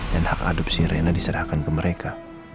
dan hak adopsi reina diserahkan ke mereka